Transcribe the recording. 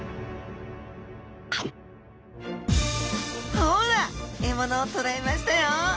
ほら獲物を捕らえましたよ！